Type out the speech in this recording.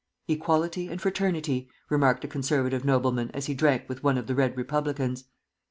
"Equality and Fraternity!" remarked a conservative nobleman as he drank with one of the Red Republicans.